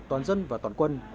toàn dân và toàn quân